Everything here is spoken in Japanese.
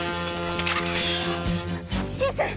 新さん！